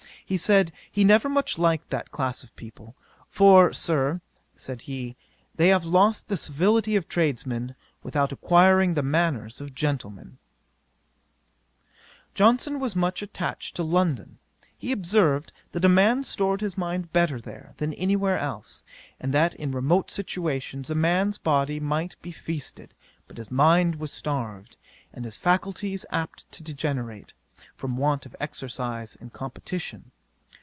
He said, he never much liked that class of people; "For, Sir (said he,) they have lost the civility of tradesmen, without acquiring the manners of gentlemen." 'Johnson was much attached to London: he observed, that a man stored his mind better there, than any where else; and that in remote situations a man's body might be feasted, but his mind was starved, and his faculties apt to degenerate, from want of exercise and competition.